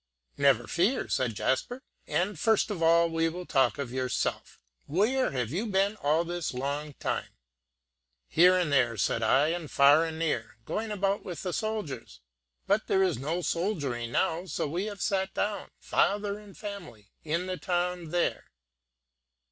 "Never fear," said Jasper; "and first of all we will talk of yourself. Where have you been all this long time?" "Here and there," said I, "and far and near, going about with the soldiers; but there is no soldiering now, so we have sat down, father and family, in the town there."